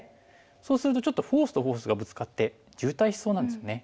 そうするとちょっとフォースとフォースがぶつかって渋滞しそうなんですよね。